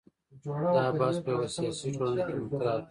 دا بحث په یوه سیاسي ټولنه کې مطرح دی.